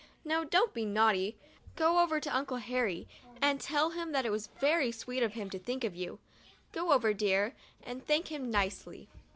Now don't be naughty ! Go over to Uncle Harry and tell him that it was sweet of him to think of you. Go over, dear, and thank him nicely."